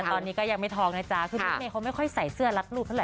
ตอนนี้ก็ยังไม่ท้องนะจ๊ะคือรถเมย์เขาไม่ค่อยใส่เสื้อรัดรูปเท่าไ